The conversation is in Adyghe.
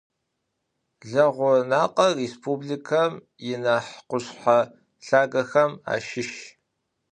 Leğo - Nakhe rêspublikem yianah khuşshe lhagexem aşış.